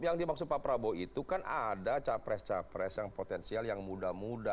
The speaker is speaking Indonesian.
yang dimaksud pak prabowo itu kan ada capres capres yang potensial yang muda muda